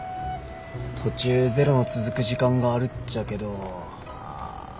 途中０の続く時間があるっちゃけどああほら。